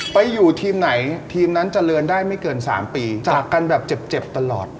ไปอยู่ทีมไหนทีมนั้นเจริญได้ไม่เกิน๓ปีจากกันแบบเจ็บตลอด